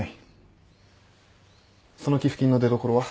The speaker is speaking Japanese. その寄付金の出どころは？